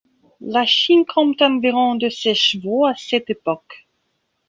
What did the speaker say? La Chine compte environ de ces chevaux à cette époque.